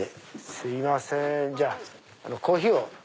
すいませんじゃあコーヒーを。